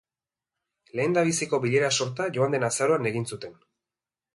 Lehendabiziko bilera-sorta joan den azaroan egin zuten.